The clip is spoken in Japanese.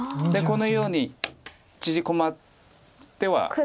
でこのように縮こまっては。